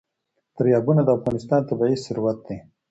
دریابونه د افغانستان طبعي ثروت دی.